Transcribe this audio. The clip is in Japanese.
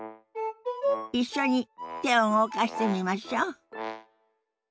一緒に手を動かしてみましょ。